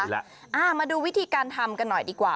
แล้วมาดูวิธีการทำกันหน่อยดีกว่า